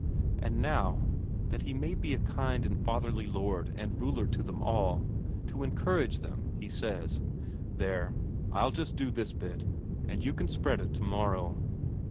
And now, that he may be a kind and fatherly lord and ruler to them all, to encourage them, he says: "There, I'll just do this bit, and you can spread it tomorrow."